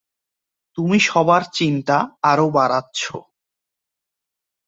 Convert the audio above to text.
তুমি সবার চিন্তা আরও বাড়াচ্ছ।